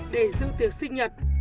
để dự tiệc sinh nhật